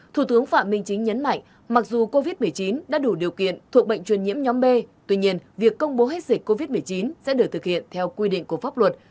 thủ tướng phạm minh chính nhấn mạnh mặc dù covid một mươi chín đã đủ điều kiện thuộc bệnh truyền nhiễm nhóm b tuy nhiên việc công bố hết dịch covid một mươi chín sẽ được thực hiện theo quy định của pháp luật